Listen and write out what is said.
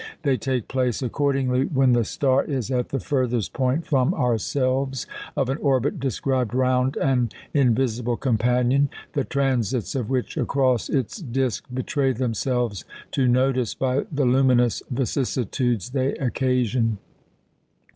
They take place, accordingly, when the star is at the furthest point from ourselves of an orbit described round an invisible companion, the transits of which across its disc betray themselves to notice by the luminous vicissitudes they occasion.